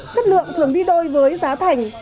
chất lượng thường đi đôi với giá thành